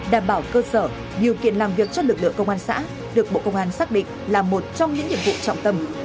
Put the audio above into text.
đảm bảo cơ sở điều kiện làm việc cho lực lượng công an xã được bộ công an xác định là một trong những nhiệm vụ trọng tâm